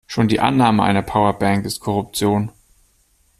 Schon die Annahme einer Powerbank ist Korruption.